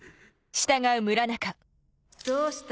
どうした？